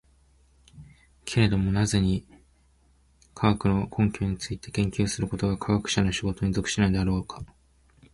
けれども何故に、科学の根拠について研究することが科学者の仕事に属しないのであろうか。